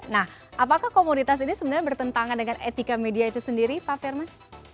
nah apakah komoditas ini sebenarnya bertentangan dengan etika media itu sendiri pak firman